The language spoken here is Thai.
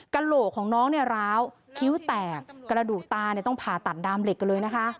กระโหลกของน้องเนี่ยร้าวคิ้วแตกกระดูกตาต้องผ่าตัดดามเหล็กกันเลยนะคะ